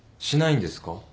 しないんですか？